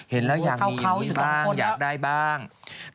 เห็นแล้วอยากมีอยากมีบ้างอยากได้บ้างอูแค่เข้าทุกสามคน